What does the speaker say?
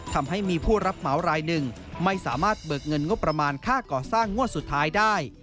ทำให้มีผู้รับเหมารายหนึ่งไม่สามารถเบิกเงินงบประมาณค่าก่อสร้างงวดสุดท้ายได้